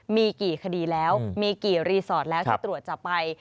มีกี่คดีแล้วมีกี่รีสอร์ทแล้วที่ตรวจจับไป